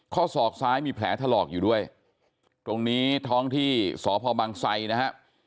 ศอกซ้ายมีแผลถลอกอยู่ด้วยตรงนี้ท้องที่สพบังไซนะฮะ